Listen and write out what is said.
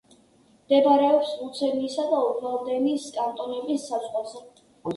მდებარეობს ლუცერნისა და ობვალდენის კანტონების საზღვარზე.